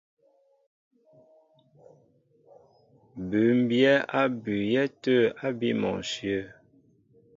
Bʉ́mbyɛ́ á bʉʉyɛ́ tə̂ ábí mɔnshyə̂.